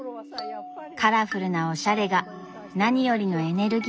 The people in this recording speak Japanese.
カラフルなおしゃれが何よりのエネルギー源です。